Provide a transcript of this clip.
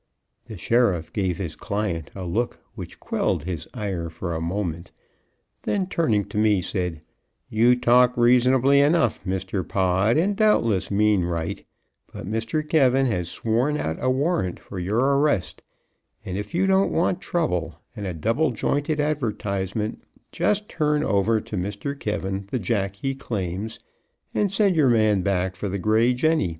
The sheriff gave his client a look, which quelled his ire for a moment, then, turning to me, said: "You talk reasonably enough, Mr. Pod, and doubtless mean right, but Mr. K has sworn out a warrant for your arrest; and if you don't want trouble and a double jointed advertisement just turn over to K the jack he claims, and send your man back for the gray jenny."